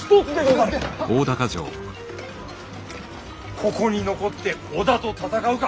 ここに残って織田と戦うか